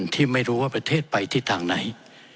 ที่ไม่รู้ว่าประเทศไปทิศทางไหน